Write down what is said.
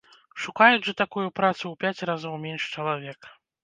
Шукаюць жа такую працу ў пяць разоў менш чалавек.